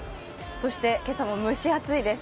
そして、今朝も蒸し暑いです。